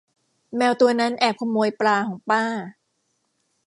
แมวตัวนั้นแอบขโมยปลาของป้า